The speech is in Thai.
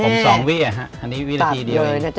ผม๒วิอันนี้วินาทีเดียว